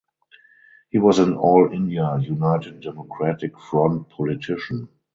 He was an All India United Democratic Front politician.